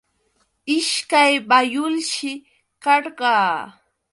Ishkay bayulshi karqa.